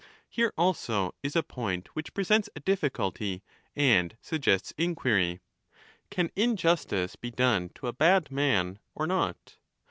10 Here also is a point which presents a difficulty and suggests inquiry. Can injustice be done to a bad man or not?